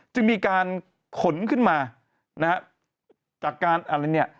จะมีการขนขึ้นมานะฮะจากการอะไรเนี่ย